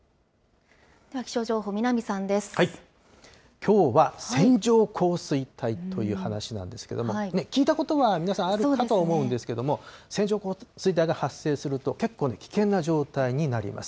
きょうは、線状降水帯という話なんですけれども、聞いたことは皆さんあるかとは思うんですけれども、線状降水帯が発生すると、結構ね、危険な状態になります。